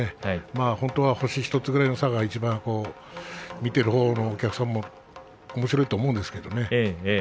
本当は星１つぐらいの差が見ているほうのお客さんもおもしろいと思うんですがね。